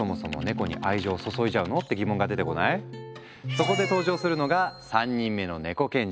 そこで登場するのが３人目のネコ賢者。